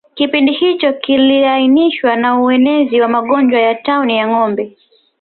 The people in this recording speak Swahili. Kipindi hicho kiliainishwa na uenezi wa magonjwa ya tauni ya ngombe